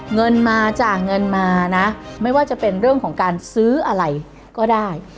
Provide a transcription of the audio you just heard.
เงินมาจากเงินมานะไม่ว่าจะเป็นเรื่องของการซื้ออะไรก็ได้